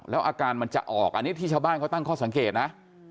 แล้วอาการมันจะออกอันนี้ที่ชาวบ้านเขาตั้งข้อสังเกตนะ